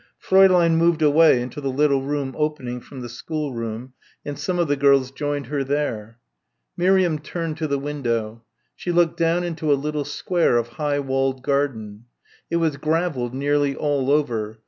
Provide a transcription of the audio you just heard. Fräulein moved away into the little room opening from the schoolroom, and some of the girls joined her there. Miriam turned to the window. She looked down into a little square of high walled garden. It was gravelled nearly all over.